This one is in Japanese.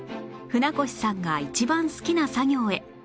舟越さんが一番好きな作業へ